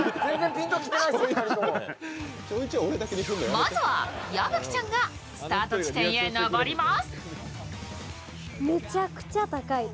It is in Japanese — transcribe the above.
まずは矢吹ちゃんがスタート地点へ登ります。